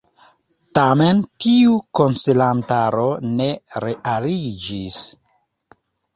Tamen tiu konsilantaro ne realiĝis.